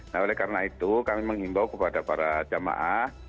nah oleh karena itu kami mengimbau kepada para jamaah